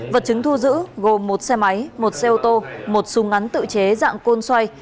vật chứng thu giữ gồm một xe máy một xe ô tô một súng ngắn tự chế dạng côn xoay